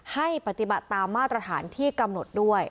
ให้ปฏิบัติตามมาตรฐานที่กำหนดด้วย